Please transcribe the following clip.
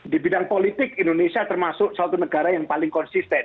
di bidang politik indonesia termasuk satu negara yang paling konsisten